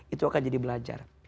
itu akan jadi belajar